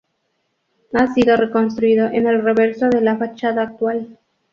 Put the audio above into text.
Ha sido reconstruido en el reverso de la fachada actual.